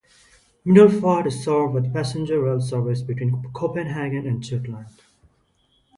Middelfart is served by the passenger rail service between Copenhagen and Jutland.